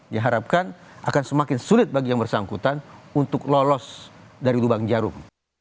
diharapkan akan semakin sulit bagi yang bersangkutan untuk lolos dari lubang jarum